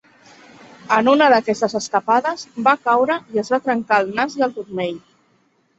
En una d'aquestes escapades va caure i es va trencar el nas i el turmell.